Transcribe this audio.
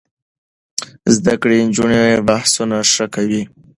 زده کړې نجونې بحثونه ښه کوي.